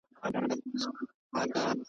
اشاراتو او پېچلو مفاهیمو قرباني کړو .